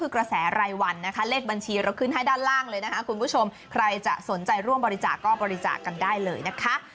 กระแสรายวันนะคะเลขบัญชีเราขึ้นให้ด้านล่างเลยนะคะคุณผู้ชมใครจะสนใจร่วมบริจาคก็บริจาคกันได้เลยนะคะ